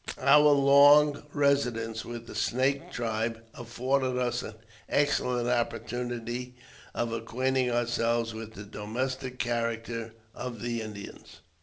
Our long residence with the Snake tribe afforded us an excellent opportunity of acquainting ourselves with the domestic character of the Indians.